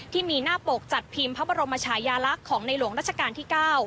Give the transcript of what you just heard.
ที่มีหน้าปกจัดพิมพ์พระบรมชายาลักษณ์ของในหลวงราชการที่๙